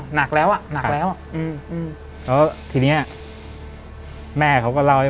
หนัก